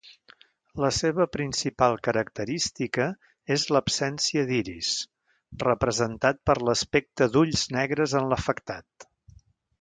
La seva principal característica és l'absència d'iris, representat per l'aspecte d'ulls negres en l'afectat.